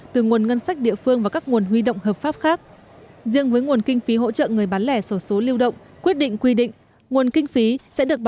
từ nguồn ngân sách địa phương và các nguồn huy động hợp pháp khác